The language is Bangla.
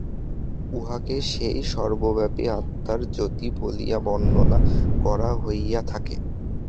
উহাকে সেই সর্বব্যাপী আত্মার জ্যোতি বলিয়া বর্ণনা করা হইয়া থাকে।